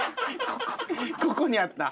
ここにあった？